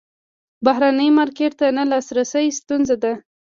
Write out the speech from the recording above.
بهرني مارکیټ ته نه لاسرسی ستونزه ده.